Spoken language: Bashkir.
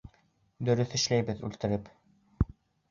Дөрөҫ эшләйбеҙ үлтереп!